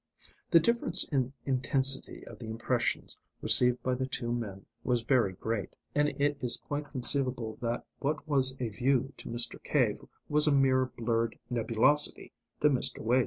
The difference in intensity of the impressions received by the two men was very great, and it is quite conceivable that what was a view to Mr. Cave was a mere blurred nebulosity to Mr. Wace.